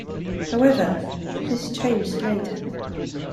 However, this changed later.